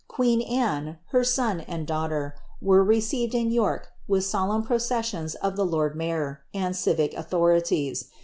Qaeen Anne, her son, and daughter, were received in York with solemn processions of the lord Mayor, and civic authorities.